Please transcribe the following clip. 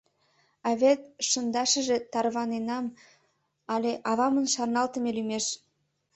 А вет шындашыже тарваненам ыле авамым шарналтыме лӱмеш.